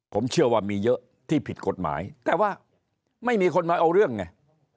ผมเชื่อว่ามีเยอะที่ผิดกฎหมายแต่ว่าไม่มีคนมาเอาเรื่องไง